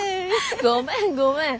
ごめんごめん。